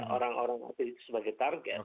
orang orang atlet itu sebagai target